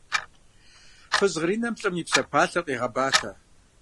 Фыз гъринэм лӀым и псэпалъэр къегъэбатэ.